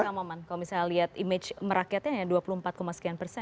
kang maman kalau misalnya lihat image merakyatnya hanya dua puluh empat sekian persen